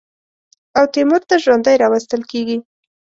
او تیمور ته ژوندی راوستل کېږي.